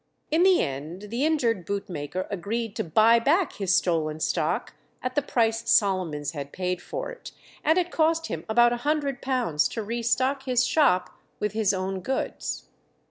In the end the injured bootmaker agreed to buy back his stolen stock at the price Solomons had paid for it, and it cost him about a hundred pounds to re stock his shop with his own goods.